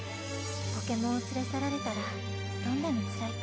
ポケモンを連れ去られたらどんなにつらいか。